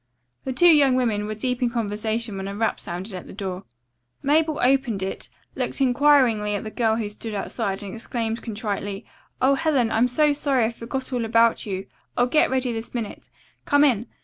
The two young women were deep in conversation when a rap sounded at the door. Mabel opened it, looked inquiringly at the girl who stood outside and exclaimed contritely: "Oh, Helen, I'm so sorry I forgot all about you. I'll get ready this minute. Come in.